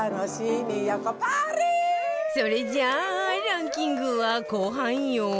それじゃあランキングは後半よ